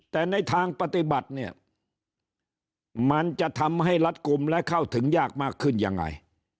แต่ในทางปฏิบัติเนี่ยมันจะทำให้รัดกลุ่มและเข้าถึงยากมากขึ้นยังไง